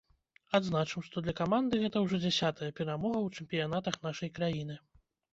Адзначым, што для каманды гэта ўжо дзясятая перамога ў чэмпіянатах нашай краіны.